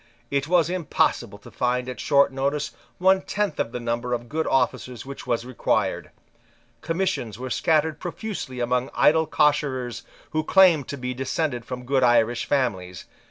It was impossible to find at short notice one tenth of the number of good officers which was required. Commissions were scattered profusely among idle cosherers who claimed to be descended from good Irish families.